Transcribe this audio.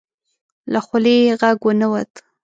له خولې یې غږ ونه وت.